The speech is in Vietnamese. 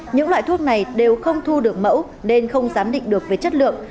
những loại thuốc này đều không thu được mẫu nên không giám định được về chất lượng